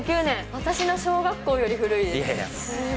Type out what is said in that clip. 私の小学校より古いです。